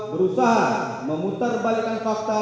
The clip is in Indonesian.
berusaha memutar balikan kasta